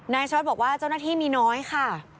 ชวัดบอกว่าเจ้าหน้าที่มีน้อยค่ะ